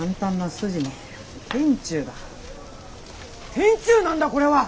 天誅なんだこれは！